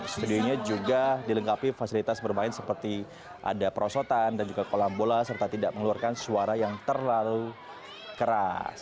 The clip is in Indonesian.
studionya juga dilengkapi fasilitas bermain seperti ada perosotan dan juga kolam bola serta tidak mengeluarkan suara yang terlalu keras